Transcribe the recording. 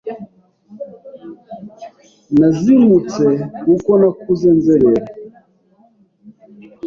nazimutse kuko nakuze nzerera